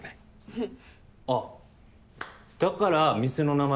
うん。